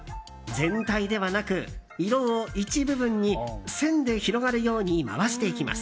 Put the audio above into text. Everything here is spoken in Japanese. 全体ではなく、色を一部分に線で広がるように回していきます。